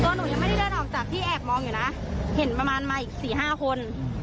หนูยังไม่ได้เดินออกจากที่แอบมองอยู่นะเห็นประมาณมาอีกสี่ห้าคน